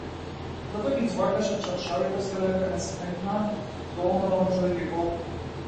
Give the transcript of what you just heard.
Затоа ги џвакаше чаршафите сѐ додека не смекнеа доволно да може да ги голтне.